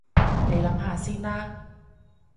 你諗下先啦